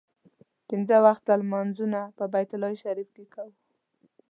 پنځه وخته لمونځونه په بیت الله شریف کې کوو.